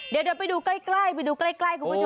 เดี๋ยวไปดูใกล้ไปดูใกล้คุณผู้ชม